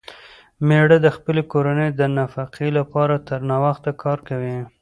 مېړه د خپلې کورنۍ د نفقې لپاره تر ناوخته کار کوي.